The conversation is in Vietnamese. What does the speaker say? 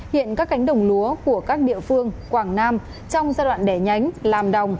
hiện các cánh đồng lúa của các địa phương quảng nam trong giai đoạn đẻ nhánh làm đồng